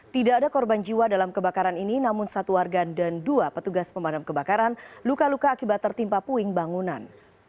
tidak ada korban jiwa dalam kebakaran ini namun satu warga dan dua petugas pemadam kebakaran luka luka akibat tertimpa puing bangunan